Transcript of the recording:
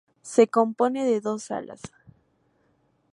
Se compone de dos salas.